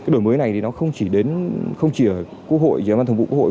đổi mới này không chỉ ở quốc hội chứ không chỉ ở văn phòng vụ quốc hội